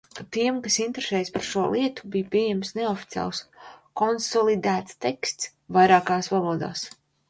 Tiem, kas interesējās par šo lietu, bija pieejams neoficiāls konsolidēts teksts vairākās valodās.